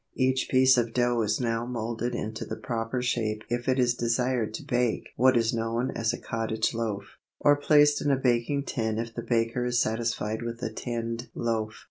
Each piece of dough is now moulded into the proper shape if it is desired to bake what is known as a cottage loaf, or placed in a baking tin if the baker is satisfied with a tinned loaf.